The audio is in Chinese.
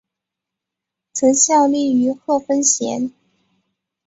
曾效力于贺芬咸。